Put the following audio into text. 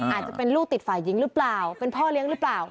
อาจจะเป็นลูกติดฝ่ายหญิงหรือเปล่าเป็นพ่อเลี้ยงหรือเปล่า